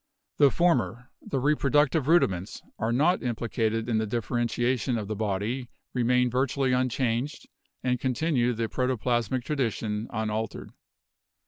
The former — the reproductive rudiments — are not im plicated in the differentiation of the 'body/ remain vir tually unchanged, and continue the protoplasmic tradition unaltered.